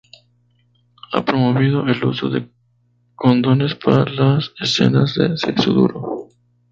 Ha promovido el uso de condones para las escenas de sexo duro.